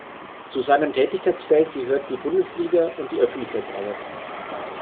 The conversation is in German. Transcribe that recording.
Zu seinem Tätigkeitsfeld gehörten die Bundesliga und die Öffentlichkeitsarbeit.